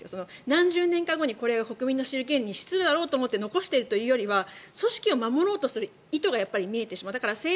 何十年後に国民の知る権利に利するだろうと思って残しているよりは組織を守ろうとする意図が見えてしまう。